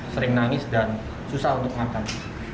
sering nangis dan susah untuk makan